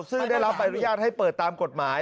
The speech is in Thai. ซึ่งได้รับใบอนุญาตให้เปิดตามกฎหมาย